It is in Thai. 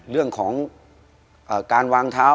เรื่องของการวางเท้า